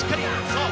そう」。